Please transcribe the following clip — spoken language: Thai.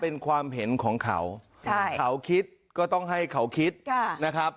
เป็นความเห็นของเขาเขาคิดก็ต้องให้เขาคิดนะครับ